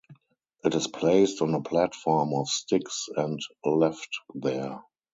It is placed on a platform of sticks and left there.